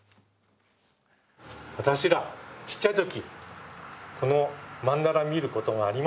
私らちっちゃい時この曼荼羅見ることがありました。